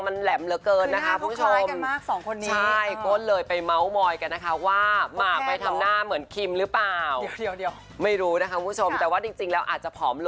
มันแหลมเหลือเกินนะคะคุณผู้ชม